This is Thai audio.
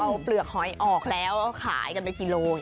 เอาเปลือกหอยออกแล้วขายกันไปกิโล